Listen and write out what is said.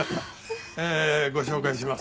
えーご紹介します。